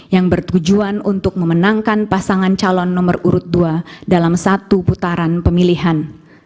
yang bertujuan untuk memenangkan pasangan calon nomor urut dua dalam satu putaran pemilihan